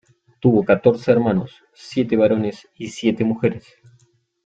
Tuvo catorce hermanos, siete varones y siete mujeres.